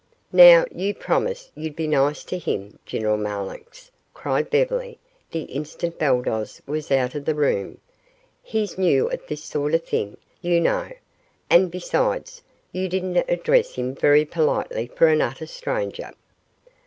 "Now, you promised you'd be nice to him, General Marlanx," cried Beverly the instant Baldos was out of the room. "He's new at this sort of thing, you know, and besides, you didn't address him very politely for an utter stranger."